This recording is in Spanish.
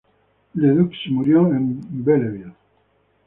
Ledoux murió en Belleville.